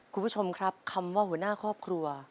คุณผู้ชมครับคำว่าหัวหน้าครอบครัว